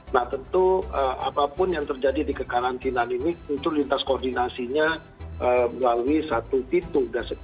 nah tentu apapun yang terjadi di kekarantinaan ini tentu lintas koordinasinya melalui satu pintu